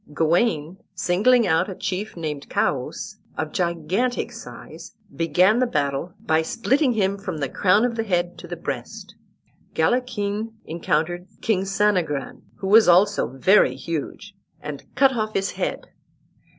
Gawain, singling out a chief named Choas, of gigantic size, began the battle by splitting him from the crown of the head to the breast. Galachin encountered King Sanagran, who was also very huge, and cut off his head.